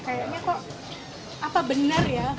kayaknya kok apa benar ya